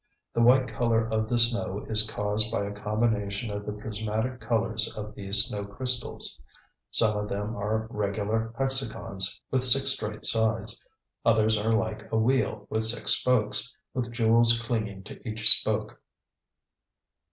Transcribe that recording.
The white color of the snow is caused by a combination of the prismatic colors of these snow crystals. Some of them are regular hexagons, with six straight sides; others are like a wheel with six spokes, with jewels clinging to each spoke.